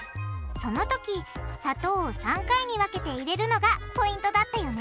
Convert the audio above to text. そのとき砂糖を３回に分けて入れるのがポイントだったよね！